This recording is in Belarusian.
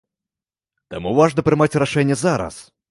Таму важна прымаць рашэнне зараз!